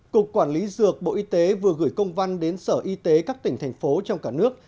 cục quản lý dược bộ y tế vừa gửi công văn đến sở y tế các tỉnh thành phố trong cả nước